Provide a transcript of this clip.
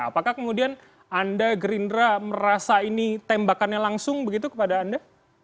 apakah kemudian anda gerindra merasa ini tembakannya langsung begitu kepada anda